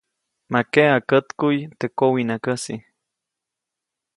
Ma keʼa kätkuʼy teʼ kowiʼnakäjsi.